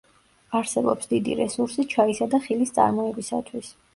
არსებობს დიდი რესურსი ჩაისა და ხილის წარმოებისათვის.